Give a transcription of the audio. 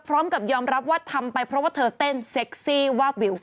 พร้อมกับยอมรับว่าทำไปเพราะว่าเธอเต้นเซ็กซี่วาบวิว